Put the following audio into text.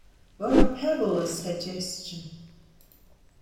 What a fabulous suggestion!